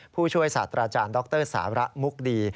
ผู้ช่วยศาสตราจารย์ดรสาระมุกดี